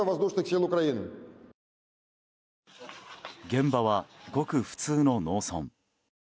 現場は、ごく普通の農村。